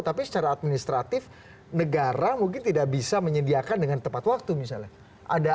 tapi secara administratif negara mungkin tidak bisa menyediakan dengan tepat waktu misalnya